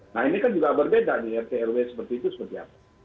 nah ini kan juga berbeda di rt rw seperti itu seperti apa